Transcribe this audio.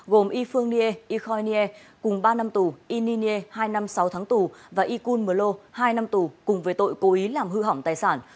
gồm y phương nghê y khoi nghê cùng ba năm tù y nhi nghê hai năm sáu tháng tù và y cun mờ lô hai năm tù cùng với tội cố ý làm hư hỏng tài sản